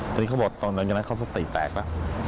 ทีนี้เขาบอกตอนนั้นจากนั้นเขาตะอีกแปลกละ